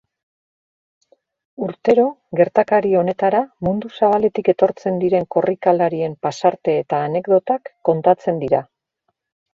Urtero gertakari honetara mundu zabaletik etortzen diren korrikalarien pasarte eta anekdotak kontatzen dira.